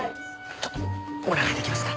ちょっとお願い出来ますか？